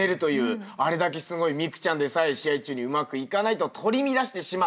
あれだけすごい美空ちゃんでさえ試合中にうまくいかないと取り乱してしまう。